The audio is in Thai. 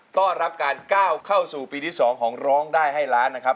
ต้อนรับการก้าวเข้าสู่ปีที่๒ของร้องได้ให้ล้านนะครับ